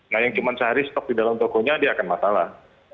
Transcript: nah yang cuma sehari stok di dalam tokonya dia akan masalah